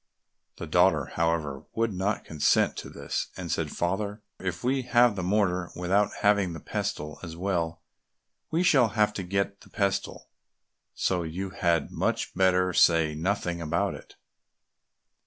The daughter, however, would not consent to this, and said, "Father, if we have the mortar without having the pestle as well, we shall have to get the pestle, so you had much better say nothing about it."